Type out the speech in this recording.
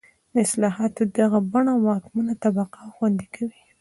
د اصلاحاتو دغه بڼه واکمنه طبقه خوندي کوي.